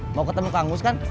mau ketemu kang gus kan